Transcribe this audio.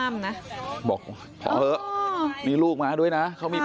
แล้วคุณมีสติกว่าเขาได้เหรอ